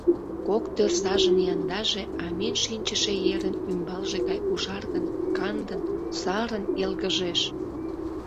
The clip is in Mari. Кок тӧрзажын яндаже амен шинчыше ерын ӱмбалже гай ужаргын, кандын, сарын йылгыжеш.